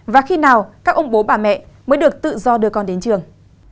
và khi nào các ông bố bà mẹ mới được tự do đưa con đến trường